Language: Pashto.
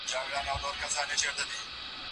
موږ باید د نورو پوهنو سره خپله اشنایي زیاته کړو.